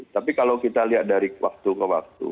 tapi kalau kita lihat dari waktu ke waktu